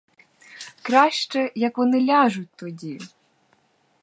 Краще, як вони ляжуть, тоді.